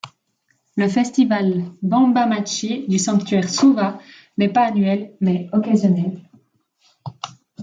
Le festival Banba-machi du sanctuaire Suwa n'est pas annuel, mais occasionnel.